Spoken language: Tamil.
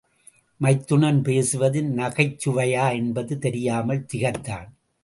மைத்துனன் பேசுவது நகைச்சுவையா என்பது தெரியாமல் திகைத்தான்.